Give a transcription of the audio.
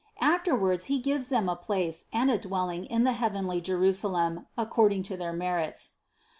Afterwards He gives them a place and a dwelling in the heavenly Jerusalem according to their merits.